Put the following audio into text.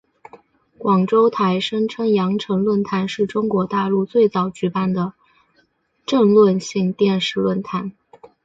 广州台声称羊城论坛是中国大陆最早举办的政论性电视论坛。